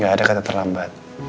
gak ada kata terlambat